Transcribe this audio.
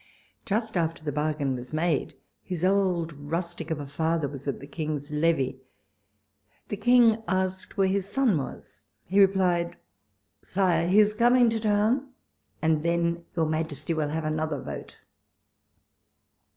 Just after the bargain w'as made, his old rustic of a father was at the King's levee ; the King asked where his son was ; he replied, " Sire, he is coming to town, and then your Majesty will have another vote."